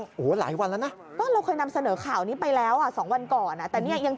เขาไปเจอจรเข้ลอยคออยู่กลางแม่น้ำบ่านปะโกง